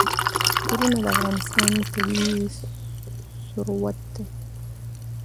غرونه د افغانستان طبعي ثروت دی.